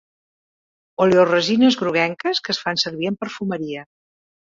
Oleoresines groguenques que es fan servir en perfumeria.